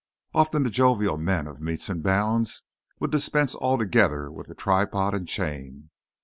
Often the jovial man of metes and bounds would dispense altogether with the tripod and chain.